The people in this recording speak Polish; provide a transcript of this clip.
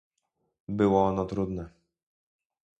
było ono trudne